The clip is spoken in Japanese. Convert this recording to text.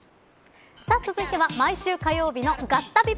続いては、毎週火曜日のガッタビ！！